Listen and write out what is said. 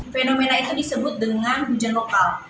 fenomena itu disebut dengan hujan lokal